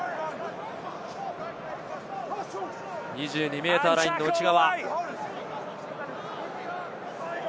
２２ｍラインの内側。